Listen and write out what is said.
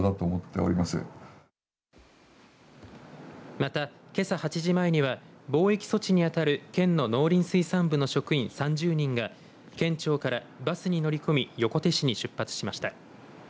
また、けさ８時前には防疫措置にあたる県の農林水産部の職員３０人が県庁からバスに乗り込み横手市に出発しました。